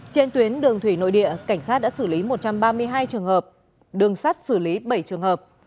trên tuyến đường thủy nội địa cảnh sát đã xử lý một trăm ba mươi hai trường hợp đường sắt xử lý bảy trường hợp